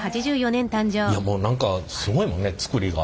いやもう何かすごいもんねつくりが。